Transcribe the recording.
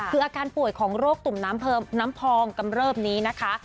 คืออาการป่วยของโรคตุ่มน้ำพองกำเริบนี้นะคะ